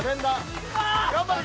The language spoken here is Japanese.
頑張れ。